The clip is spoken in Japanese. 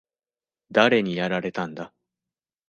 誰にやられたんだ？